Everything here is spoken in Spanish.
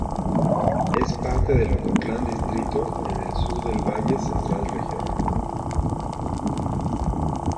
Es parte del Ocotlán Distrito en el del sur del Valles Centrales Región.